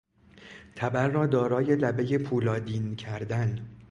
تبر را دارای لبهی پولادین کردن